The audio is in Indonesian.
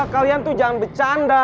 kalian tuh jangan bercanda